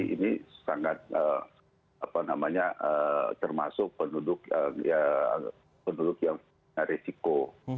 ini sangat termasuk penduduk yang punya risiko